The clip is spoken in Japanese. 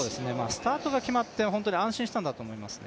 スタートが決まって本当に安心したんだと思います。